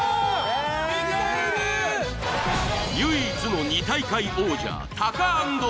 唯一の２大会王者。